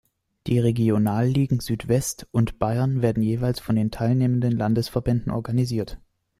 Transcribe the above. Die Regionalligen Südwest und Bayern werden jeweils von den teilnehmenden Landesverbänden organisiert.